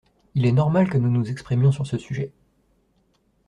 Il est normal que nous nous exprimions sur ce sujet.